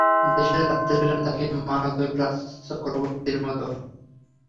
দেশের ছাত্রেরা তাঁকে মানত রাজচক্রবর্তীর মতো।